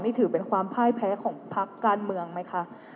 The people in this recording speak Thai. นี่ถือเป็นความพ่ายแพ้ของพักการเมืองไหมคะ